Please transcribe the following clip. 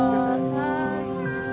はい。